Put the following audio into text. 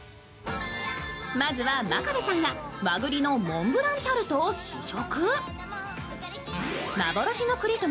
まずは真壁さんが和栗のモンブランタルトを試食。